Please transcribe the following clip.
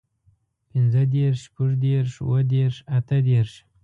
پينځهدېرش، شپږدېرش، اووهدېرش، اتهدېرش